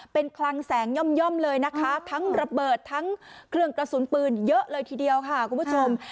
เป็นคลังแสงย่อมเลยนะคะทั้งระเบิดทั้งเครื่องกระสุนปืนเยอะเลยทีเดียวค่ะคุณผู้ชม